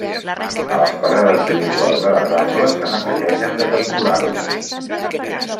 A les parades habituals de la Rambla se n'afegeixen de temporals.